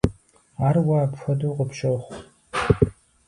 Ар уэ апхуэдэу къыпщохъу.